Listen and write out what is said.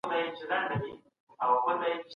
په نننۍ نړۍ کې باید د کار تقسیم ته پام وسي.